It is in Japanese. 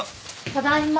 ただいま。